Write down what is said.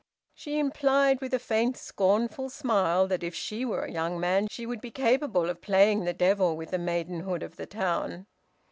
She implied, with a faint scornful smile, that if she were a young man she would be capable of playing the devil with the maidenhood of the town.